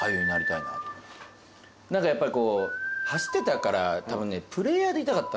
何かやっぱりこう走ってたからたぶんね。